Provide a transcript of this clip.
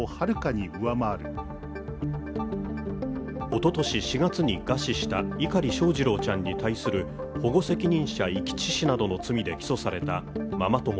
おととし４月に餓死した碇翔士郎ちゃんに対する保護責任者遺棄致死などの罪で起訴されたママ友